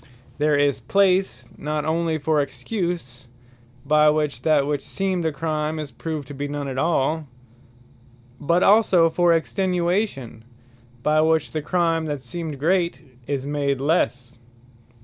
There is place, not only for EXCUSE, by which that which seemed a Crime, is proved to be none at all; but also for EXTENUATION, by which the Crime, that seemed great, is made lesse.